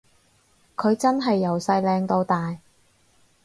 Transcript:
佢真係由細靚到大